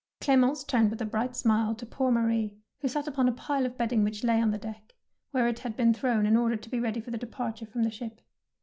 Clemence turned with a bright smile to poor Marie, who sat upon a pile of bedding which lay on the deck, where it had been thrown in order to be ready for departure from the ship.